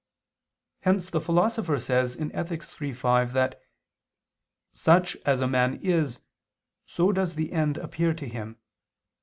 Hence the Philosopher says (Ethic. iii, 5) that "such as a man is, so does the end appear to him."